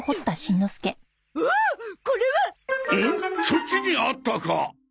そっちにあったか！